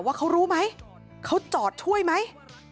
ว่าเขารู้ไหมเขาจอดช่วยไหม